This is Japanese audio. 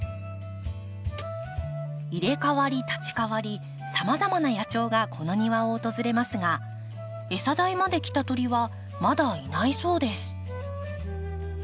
入れ代わり立ち代わりさまざまな野鳥がこの庭を訪れますが餌台まで来た鳥はまだいないそうです。